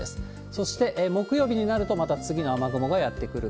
そして木曜日になると、また次の雨雲がやって来る。